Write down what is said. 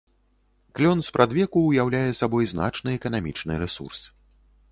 Клён спрадвеку ўяўляе сабой значны эканамічны рэсурс.